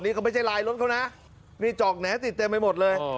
นี่เขาไม่ใช่ลายรถเขานะนี่จอกแหนติดเต็มไปหมดเลย